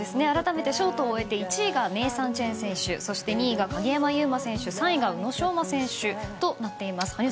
あらためてショートを終えて１位がネイサン・チェン選手２位が鍵山優真選手３位が宇野昌磨選手となっています。